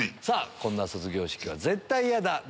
こんな卒業式は絶対嫌だ